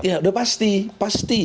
ya udah pasti